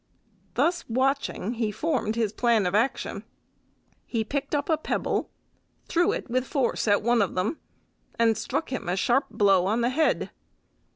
Thus watching he formed his plan of action. He picked up a pebble, threw it with force at one of them, and struck him a sharp blow on the head.